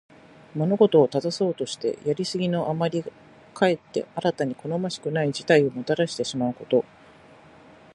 物事を正そうとして、やりすぎのあまりかえって新たに好ましくない事態をもたらしてしまうこと。「枉れるを矯めて直きに過ぐ」とも読む。